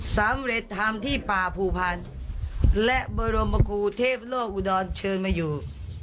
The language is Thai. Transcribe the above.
สำเร็จทำที่ป่าภูพันธ์และบรมครูเทพโลกอุดรเชิญมาอยู่